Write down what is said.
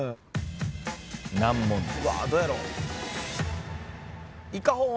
難問です。